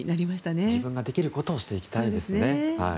自分ができることをしていきたいですね。